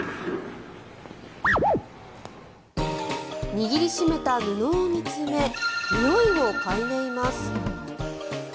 握り締めた布を見つめにおいを嗅いでいます。